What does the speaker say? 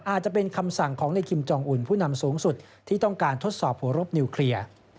อาจจะเป็นคำสั่งของในคิมจองอุ่นผู้นำสูงสุดที่ต้องการทดสอบหัวรบนิวเคลียร์